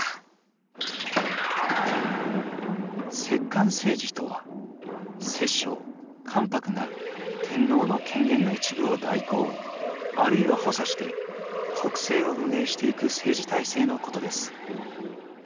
摂関政治とは摂政・関白が天皇の権限の一部を代行あるいは補佐して国政を運営していく政治体制のことです。